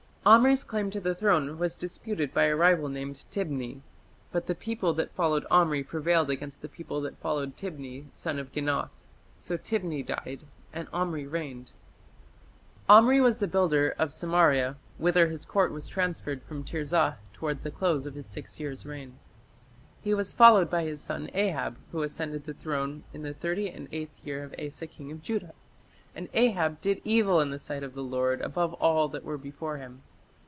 " Omri's claim to the throne was disputed by a rival named Tibni. "But the people that followed Omri prevailed against the people that followed Tibni, son of Ginath: so Tibni died, and Omri reigned." Omri was the builder of Samaria, whither his Court was transferred from Tirzah towards the close of his six years reign. He was followed by his son Ahab, who ascended the throne "in the thirty and eighth year of Asa king of Judah.... And Ahab ... did evil in the sight of the Lord above all that were before him."